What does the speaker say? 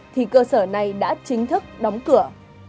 thì cơ sở này đã chính thức đóng cửa